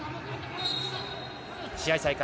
試合再開。